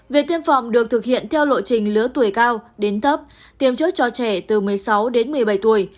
việc tiêm phòng được thực hiện theo lộ trình lứa tuổi cao đến thấp tiêm trước cho trẻ từ một mươi sáu đến một mươi bảy tuổi